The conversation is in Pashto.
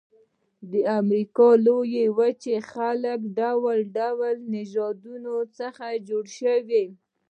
د امریکا د لویې وچې خلک د ډول ډول نژادونو څخه جوړ شوي.